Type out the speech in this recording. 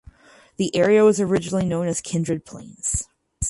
The area was originally known as Kindred Plains.